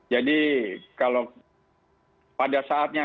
jadi kalau pada saatnya